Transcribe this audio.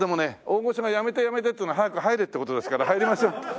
大御所が「やめてやめて」っつうのは「早く入れ」って事ですから入りましょう。